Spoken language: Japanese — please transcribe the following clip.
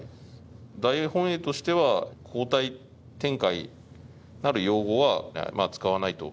大本営としては後退展開なる用語は使わないと。